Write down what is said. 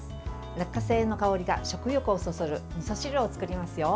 落花生の香りが食欲をそそるみそ汁を作りますよ。